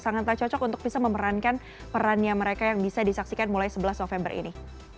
sangat tak cocok untuk bisa memerankan perannya mereka yang bisa disaksikan mulai sebelas november ini